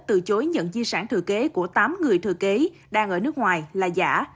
từ chối nhận di sản thừa kế của tám người thừa kế đang ở nước ngoài là giả